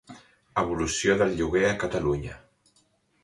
Evolució del lloguer a Catalunya.